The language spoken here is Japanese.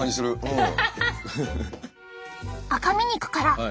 うん。